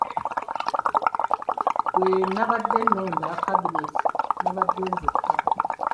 Bwe nabadde nnonda kabineeti nabadde nzekka.